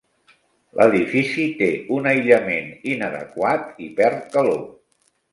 L'edifici té un aïllament inadequat i perd calor.